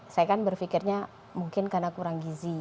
saya kan berpikirnya mungkin karena kurang gizi